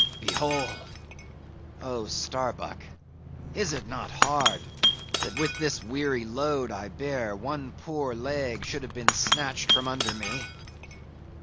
Behold. Oh, Starbuck! is it not hard, that with this weary load I bear, one poor leg should have been snatched from under me?